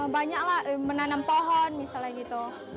banyaklah menanam pohon misalnya gitu